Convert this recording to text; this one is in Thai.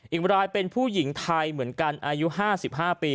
อีกรายเป็นผู้หญิงไทยเหมือนกันอายุ๕๕ปี